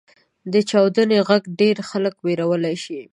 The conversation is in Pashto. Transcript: • د چاودنې ږغ ډېری خلک وېرولی شي.